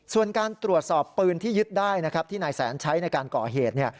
ส่วนการตรวจสอบปืนที่ยึดได้นะครับที่นายแสนใช้ในการก่อเหตุ